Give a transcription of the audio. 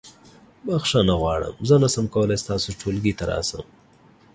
بخښنه غواړم زه نشم کولی ستاسو ټولګي ته راشم.